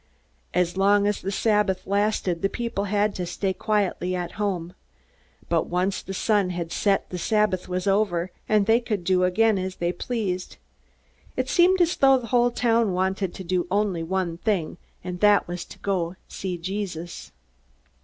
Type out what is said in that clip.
As long as the Sabbath lasted, the people had to stay quietly at home. But once the sun had set the Sabbath was over, and they could do as they pleased. It seemed as though the whole town wanted to do only one thing, and that was to go to see Jesus.